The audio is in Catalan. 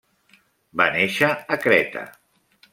Va néixer a Creta.